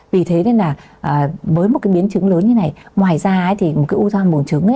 vì thế nên là với một biến chứng lớn như này ngoài ra thì một u năng buồng trứng